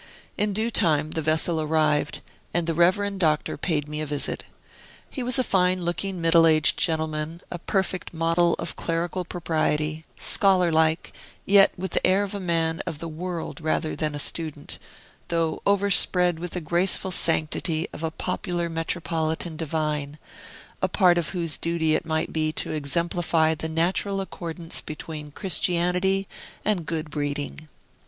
In due time, the vessel arrived, and the reverend Doctor paid me a visit. He was a fine looking middle aged gentleman, a perfect model of clerical propriety, scholar like, yet with the air of a man of the world rather than a student, though overspread with the graceful sanctity of a popular metropolitan divine, a part of whose duty it might be to exemplify the natural accordance between Christianity and good breeding.